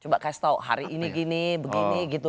coba kasih tau hari ini gini begini gitu